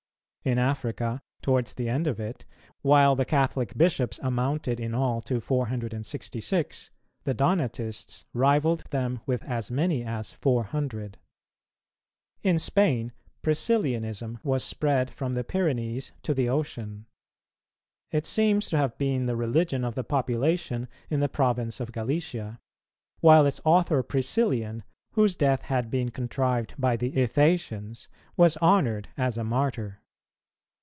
In Africa, towards the end of it, while the Catholic Bishops amounted in all to 466, the Donatists rivalled them with as many as 400. In Spain Priscillianism was spread from the Pyrenees to the Ocean. It seems to have been the religion of the population in the province of Gallicia, while its author Priscillian, whose death had been contrived by the Ithacians, was honoured as a Martyr.